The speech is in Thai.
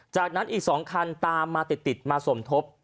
จากนั้นอีก๒คันตามมาติดมาสมทบ